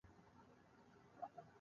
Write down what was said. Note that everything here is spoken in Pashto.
هنر د طبیعت ریښتینی او پیاوړی ښی لاس دی.